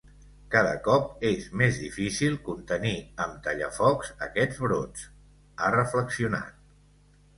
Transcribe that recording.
Cada cop és més difícil contenir amb tallafocs aquests brots ha reflexionat.